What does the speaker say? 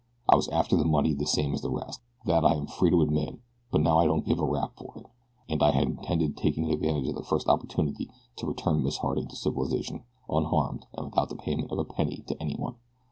I was after the money the same as the rest that I am free to admit; but now I don't give a rap for it, and I had intended taking advantage of the first opportunity to return Miss Harding to civilization unharmed and without the payment of a penny to anyone.